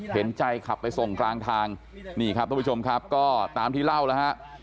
เห็นใจขับไปส่งกลางทางนี่ครับทุกผู้ชมครับก็ตามที่เล่าแล้วฮะ